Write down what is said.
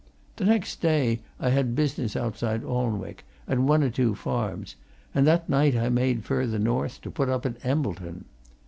T' next day I had business outside Alnwick, at one or two farms, and that night I made further north, to put up at Embleton.